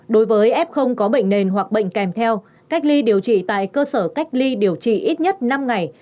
đối với f có bệnh nền hoặc bệnh kèm theo cách ly điều trị tại cơ sở cách ly điều trị ít nhất năm ngày